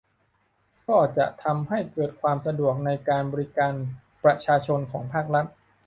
ก็จะทำให้เกิดความสะดวกในการบริการประชาชนของภาครัฐ